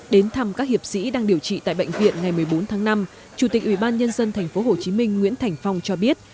đến thăm các hiệp sĩ đang điều trị tại bệnh viện ngày một mươi bốn tháng năm chủ tịch ủy ban nhân dân tp hcm nguyễn thành phong cho biết